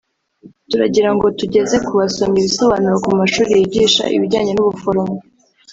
turagira ngo tugeze ku basomyi ibisobanuro ku mashuri yigisha ibijyanye n’ubuforomo